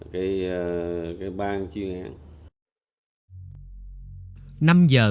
cái ban chuyên án